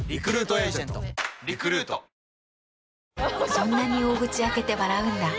そんなに大口開けて笑うんだ。